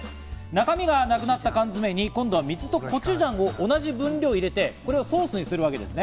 中身がなくなった缶詰に今度は水とコチュジャンを同じ分量入れて、これをソースにするわけです。